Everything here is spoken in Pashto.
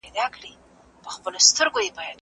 زه کولای سم پوښتنه وکړم؟!